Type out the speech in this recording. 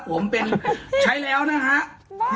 ผมเป็นใช้แล้วนะฮะ